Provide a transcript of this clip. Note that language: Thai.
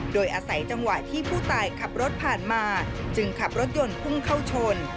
โดยอาศัยจังหวะที่ผู้ตายขับรถผ่านมาจึงขับรถยนต์พุ่งเข้าชน